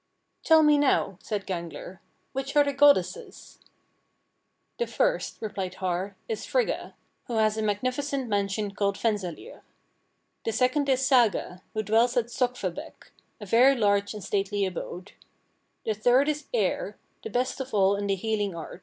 "Tell me now," said Gangler, "which are the goddesses?" "The first," replied Har, "is Frigga, who has a magnificent mansion called Fensalir. The second is Saga, who dwells at Sokkvabekk, a very large and stately abode. The third is Eir, the best of all in the healing art.